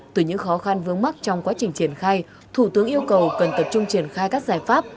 từ những khó khăn vướng mắt trong quá trình triển khai thủ tướng yêu cầu cần tập trung triển khai các giải pháp